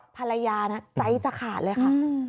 ภรรยานะใจจะขาดเลยค่ะ